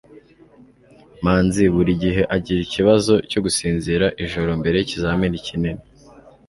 manzi buri gihe agira ikibazo cyo gusinzira ijoro mbere yikizamini kinini